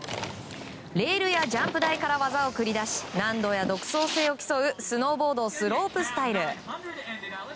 レールやジャンプ台から技を繰り出し難度や独創性を競うスノーボードスロープスタイル。